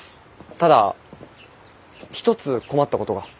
ただ一つ困ったことが。